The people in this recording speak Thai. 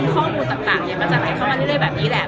ข้อมูลต่างมันจะไหลเข้ามาเรื่อยแบบนี้แหละ